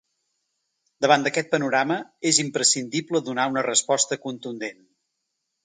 Davant d’aquest panorama, és imprescindible donar una resposta contundent.